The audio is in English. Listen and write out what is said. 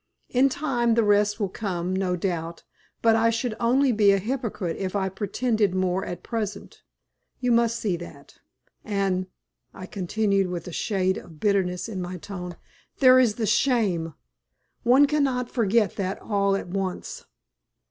In time the rest will come, no doubt, but I should only be a hypocrite if I pretended more at present, you must see that; and," I continued, with a shade of bitterness in my tone, "there is the shame. One cannot forget that all at once."